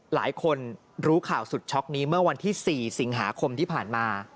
หลายคนรู้ข่าวสุดช็อกนี้เมื่อวันที่๔สิงหาคมที่ผ่านมา